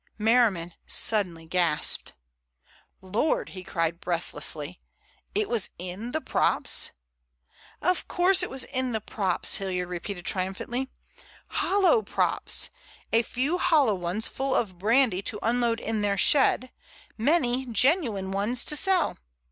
Merriman suddenly gasped. "Lord!" he cried breathlessly. "It was in the props?" "Of course it was in the props!" Hilliard repeated triumphantly. "Hollow props; a few hollow ones full of brandy to unload in their shed, many genuine ones to sell!